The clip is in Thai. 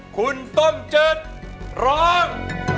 คุณต้มเจ็ดร้อง